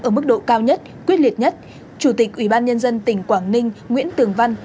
ở mức độ cao nhất quyết liệt nhất chủ tịch ủy ban nhân dân tỉnh quảng ninh nguyễn tường văn